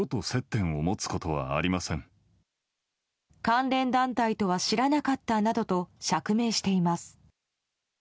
関連団体とは知らなかったなどと釈明しています。